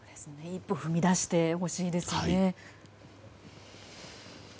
一歩踏み出してほしいですね。